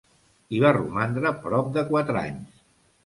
Hi va romandre prop de quatre anys.